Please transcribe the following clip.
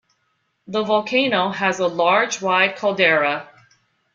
The volcano has a large wide caldera.